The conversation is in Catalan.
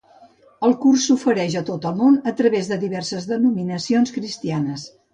El curs s'ofereix a tot el món a través de diverses denominacions cristianes.